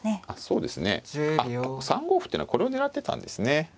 あっ３五歩っていうのはこれを狙ってたんですね。